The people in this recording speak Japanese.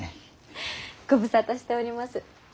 ご無沙汰しております。